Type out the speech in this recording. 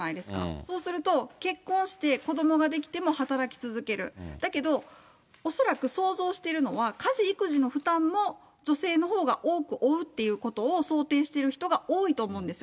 そうすると、結婚して子どもができても働き続ける、だけど、恐らく想像してるのは、家事、育児の負担も女性のほうが多く負うっていうことを想定してる人が多いと思うんですよ。